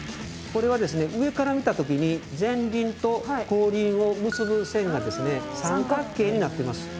上から見た時に前輪と後輪を結ぶ線が三角形になってます。